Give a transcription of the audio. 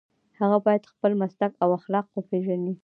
هغه باید خپل مسلک او اخلاق وپيژني.